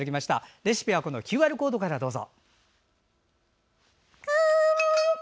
レシピはＱＲコードからどうぞ。